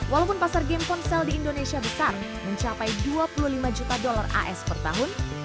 walaupun pasar game ponsel di indonesia besar mencapai dua puluh lima juta dolar as per tahun